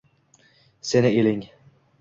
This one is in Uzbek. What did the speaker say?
Seni eling